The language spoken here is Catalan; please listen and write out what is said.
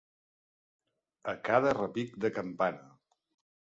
A cada repic de campana.